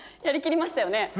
やりきりましたよね。